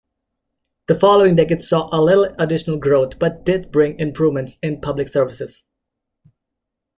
The following decades saw little additional growth but did bring improvements in public services.